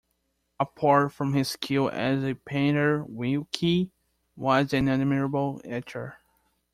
Apart from his skill as a painter Wilkie was an admirable etcher.